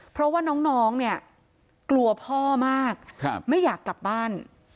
เพราะว่าน้องเนี่ยกลัวพ่อมากไม่อยากกลับบ้าน